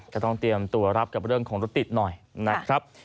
จะต้องเตรียมตัวรับกับเรื่องของรถติดหน่อยนะครับ